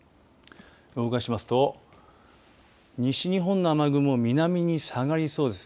動かしますと西日本の雨雲南に下がりそうです。